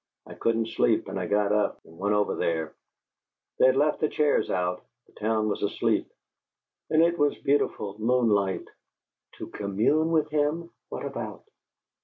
I couldn't sleep, and I got up, and went over there; they'd left the chairs out; the town was asleep, and it was beautiful moonlight " "To commune with him? What about?"